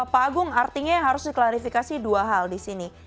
pak agung artinya harus diklarifikasi dua hal di sini